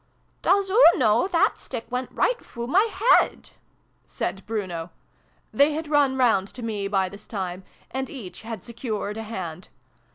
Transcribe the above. " Doos oo know, that stick went right froo my head !" said Bruno. (They had run round to me by this time, and each had secured a hand.)